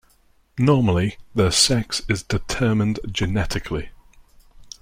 Normally their sex is determined genetically.